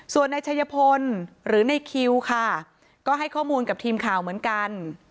ส่วนนายชัยพลหรือในคิวค่ะก็ให้ข้อมูลกับทีมข่าวเหมือนกัน